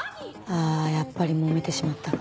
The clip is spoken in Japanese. ああやっぱり揉めてしまったか。